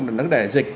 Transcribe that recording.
nó sẽ đẻ dịch